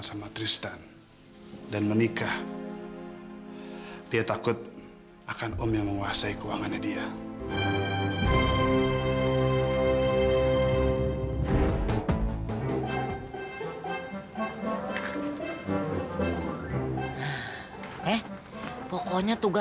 sampai jumpa di video selanjutnya